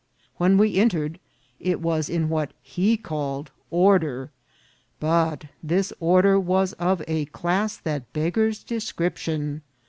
When we entered it was in what he called order, but this order was of a class that beggars description.